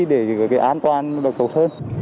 để cái an toàn được tổng thân